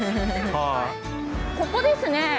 ここですね。